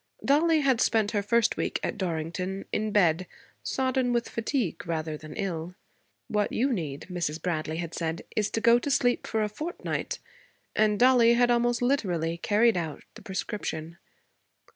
Dollie had spent her first week at Dorrington in bed, sodden with fatigue rather than ill. 'What you need' Mrs. Bradley had said, 'is to go to sleep for a fortnight'; and Dollie had almost literally carried out the prescription.